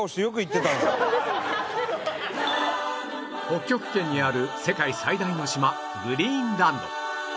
北極圏にある世界最大の島グリーンランド